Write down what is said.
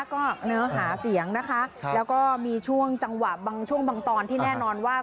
ก็เนื้อหาเสียงนะคะแล้วก็มีช่วงจังหวะบางช่วงบางตอนที่แน่นอนว่า